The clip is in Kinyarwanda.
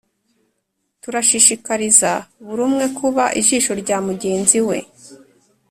Turashishikariza buri umwe kuba ijisho rya mugenzi we